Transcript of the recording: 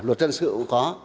luật dân sự cũng có